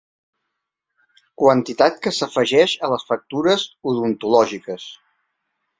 Quantitat que s'afegeix a les factures odontològiques.